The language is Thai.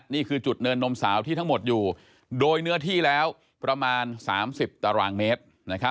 นี่คือจุดเนินนมสาวที่ทั้งหมดอยู่โดยเนื้อที่แล้วประมาณ๓๐ตารางเมตร